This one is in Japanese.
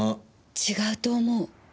違うと思う。